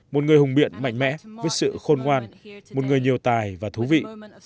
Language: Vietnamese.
một người hùng biện mạnh mẽ với sự khôn ngoan một người nhiều tài và thú vị